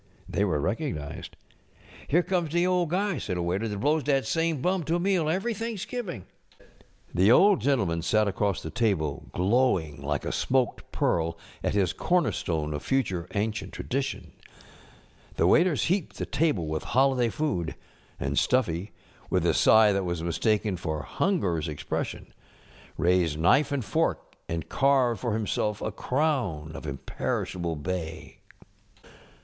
They were recognized. ŌĆ£Here comes de old guy, ŌĆØ said a waiter, ŌĆ£dat blows dat same bum to a meal every Thanksgiving.ŌĆØ The Old Gentleman sat across the table glowing like a smoked pearl at his corner stone of future an┬¼ cient Tradition. The waiters heaped the table with holiday food ŌĆö and Stuffy, with a sigh that was mis┬¼ taken for hungerŌĆÖs expression, raised knife and fork and carved for himself a crown of imperishable bay.